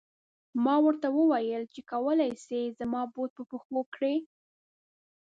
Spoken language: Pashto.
ما ورته و ویل چې کولای شې زما بوټ په پښو کړې.